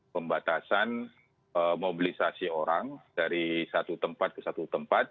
pembatasan mobilisasi orang dari satu tempat ke satu tempat